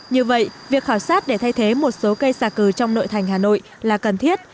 như vậy việc khảo sát để thay thế một số cây xà cừ trong nội thành hà nội là cần thiết